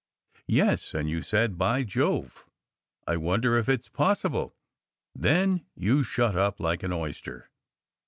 "Yes! And you said By Jove! I wonder if it s pos sible Then you shut up like an oyster."